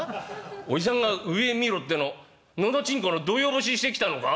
おじさんが上見ろっての喉ちんこの土用干ししてきたのか？」。